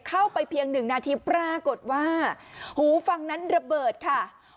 เข้าไปเพียงหนึ่งนาทีปรากฏว่าหูฟังนั้นระเบิดค่ะ